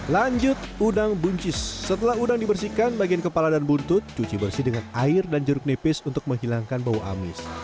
lanjut udang buncis setelah udang dibersihkan bagian kepala dan buntut cuci bersih dengan air dan jeruk nipis untuk menghilangkan bau amis